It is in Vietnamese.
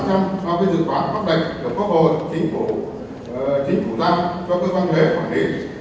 do dự tỏa phát đạch được phó hồi chính phủ giao cho các văn hệ quản lý